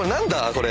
これ。